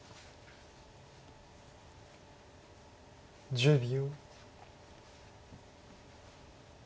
１０秒。